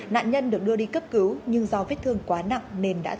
nạn nhân được đưa đi cấp cứu nhưng do vết thương quá nặng nên đã tử vong